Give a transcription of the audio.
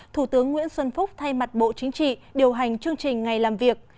thủ tướng nguyễn xuân phúc thay mặt bộ chính trị điều hành chương trình ngày làm việc